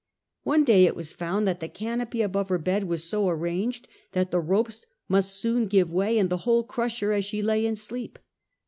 One day it was found that the canopy above her bed was so arranged that the ropes must soon give way, and the whole crush her as she lay in sleep.